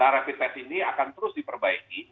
rapid test ini akan terus diperbaiki